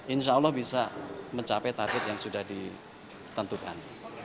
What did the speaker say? insya allah bisa mencapai target yang sudah ditentukan